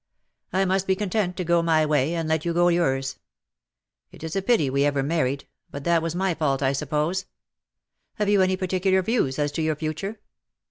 I must be content to go my way, and let you go yours. It is a pity we ever married; but that was my fault, I suppose. Have you any particular views as to your future